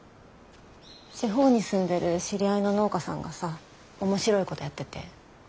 地方に住んでる知り合いの農家さんがさ面白いことやってて。